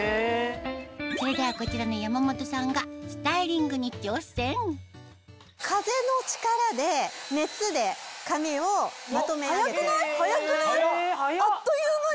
それではこちらの山本さんがスタイリングに挑戦早くない？早くない？あっという間に！